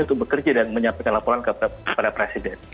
untuk bekerja dan menyampaikan laporan kepada presiden